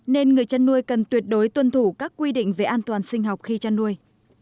nên người chăn nuôi cần tuyệt đối tuân thủ các quy định về an toàn sinh học khi chăn nuôi